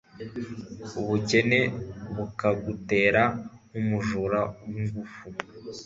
ubukene bukagutera nk'umujura w'ingufu